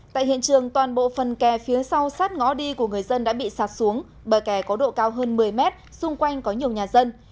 tại hiện trường toàn bộ phần kè phía sau sát ngõ đi của người dân đã bị sạt xuống bờ kè có độ cao hơn một mươi mét xung quanh có nhiều nhà dân